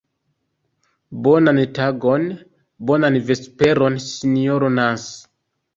Bonan tagon, bonan vesperon, Sinjoro Nans!